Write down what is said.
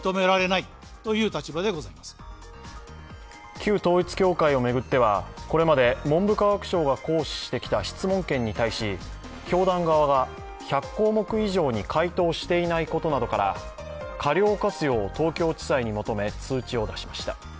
旧統一教会を巡ってはこれまで文部科学省が行使してきた質問権に対し、教団側が１００項目以上に回答していないことなどから過料を科すよう東京地裁に求め通知を出しました。